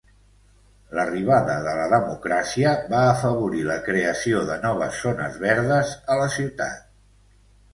L'arribada de la democràcia va afavorir la creació de noves zones verdes a la ciutat.